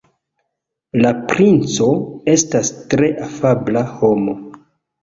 La princo estas tre afabla homo.